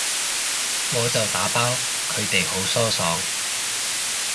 我就打包，佢哋好疏爽